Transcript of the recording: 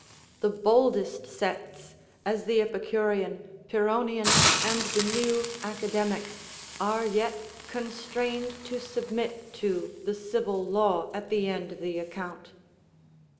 The boldest sects, as the Epicurean, Pyrrhonian, and the new Academic, are yet constrained to submit to the civil law at the end of the account.